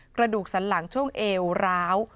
กระดูกสันหลังช่วงเอวร้าว